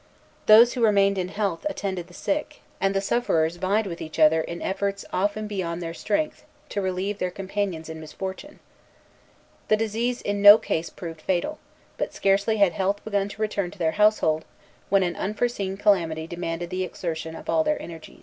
Those who remained in health attended the sick, and the sufferers vied with each other in efforts often beyond their strength to relieve their companions in misfortune. The disease in no case proved fatal; but scarcely had health begun to return to their household, when an unforeseen calamity demanded the exertion of all their energies.